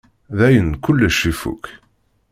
Dayen, kullec ifuk.